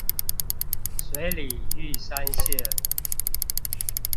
水里玉山線